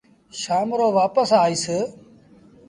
شآم رو وآپس آئيٚس